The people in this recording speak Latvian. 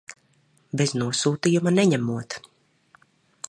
Bez nosūtījuma neņemot.